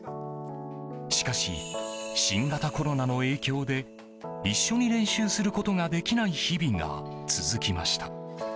しかし、新型コロナの影響で一緒に練習することができない日々が続きました。